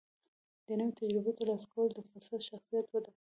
د نوي تجربو ترلاسه کول د فرد شخصیت وده کوي.